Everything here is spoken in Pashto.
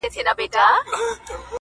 هغه په تېښته پهلوان د سورلنډیو لښکر!!